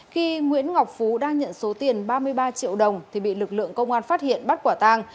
khi nguyễn ngọc phú đang nhận số tiền ba mươi ba triệu đồng thì bị lực lượng công an phát hiện bắt quả tang